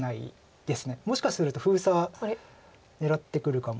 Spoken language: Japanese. もしかすると封鎖狙ってくるかも。